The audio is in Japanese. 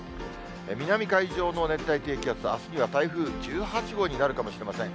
南海上の熱帯低気圧、あすには台風１８号になるかもしれません。